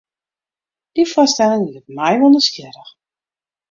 Dy foarstelling liket my wol nijsgjirrich.